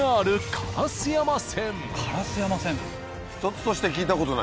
烏山線。